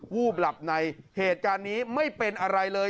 วูบหลับในเหตุการณ์นี้ไม่เป็นอะไรเลย